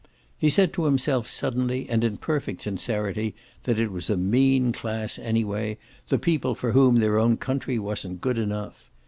He said to himself suddenly and in perfect sincerity that it was a mean class anyway, the people for whom their own country wasn't good enough.